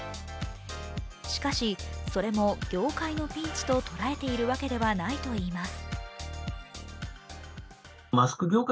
しかし、それも業界のピンチと捉えているわけではないといいます。